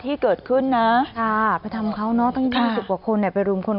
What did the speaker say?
ที่เกิดขึ้นนะค่ะไปทำเขาเนอะตั้ง๒๐กว่าคนไปรุมคน